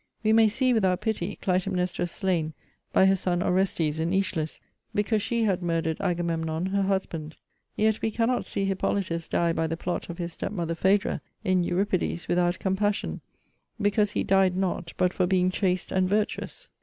We may see, without pity, Clytemnestra slain by her son Orestes in Æschylus, because she had murdered Agamemnon her husband; yet we cannot see Hippolytus die by the plot of his step mother Phædra, in Euripides, without compassion, because he died not, but for being chaste and virtuous.